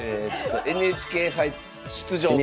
「ＮＨＫ杯出場」か。